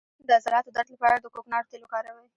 د عضلاتو درد لپاره د کوکنارو تېل وکاروئ